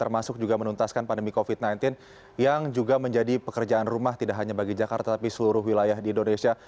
termasuk juga menuntaskan pandemi covid sembilan belas yang juga menjadi pekerjaan rumah tidak hanya bagi jakarta tapi seluruh wilayah di indonesia